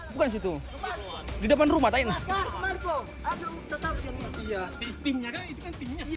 bukan di situ di depan rumah